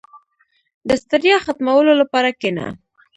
• د ستړیا ختمولو لپاره کښېنه.